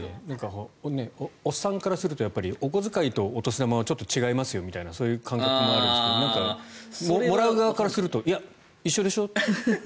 おっさんからするとお小遣いとお年玉はちょっと違いますよみたいな感覚もあるんですがもらう側からするといや、一緒でしょ